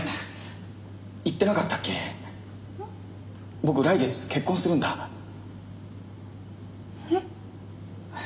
僕来月結婚するんだ。え？